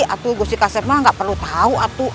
atu gusti kasep mah gak perlu tau atu